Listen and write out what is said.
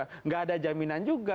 tidak ada jaminan juga